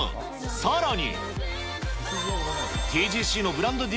さらに。